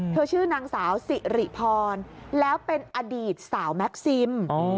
ชื่อนางสาวสิริพรแล้วเป็นอดีตสาวแม็กซิม